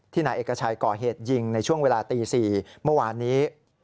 นายเอกชัยก่อเหตุยิงในช่วงเวลาตี๔เมื่อวานนี้